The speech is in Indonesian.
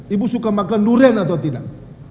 ibu suka makan durian atau tidak